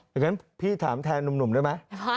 อย่างนั้นพี่ถามแทนหนุ่มได้ไหม